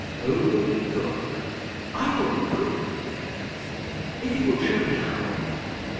Who will be cook?" "I will be cook," said Alice, "if you will show me how."